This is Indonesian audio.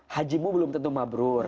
hajimu belum tentu mabrur